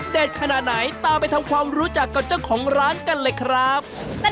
ขนาดไหนตามไปทำความรู้จักกับเจ้าของร้านกันเลยครับ